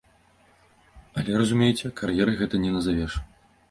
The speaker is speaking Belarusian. Але, разумееце, кар'ерай гэта не назавеш.